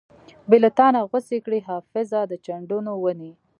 بې لتانۀ غوڅې کړې حافظه د چندڼو ونې